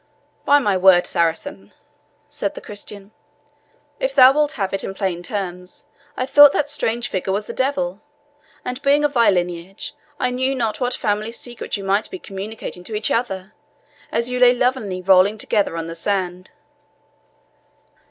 "By my word, Saracen," said the Christian, "if thou wilt have it in plain terms, I thought that strange figure was the devil; and being of thy lineage, I knew not what family secret you might be communicating to each other, as you lay lovingly rolling together on the sand."